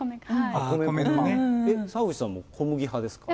澤口さんも小麦派ですか？